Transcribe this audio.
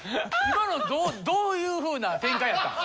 今のどういう風な展開やったん？